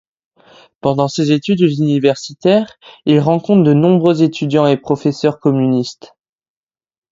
Pendant ses études universitaires, il rencontre de nombreux étudiants et professeurs communistes.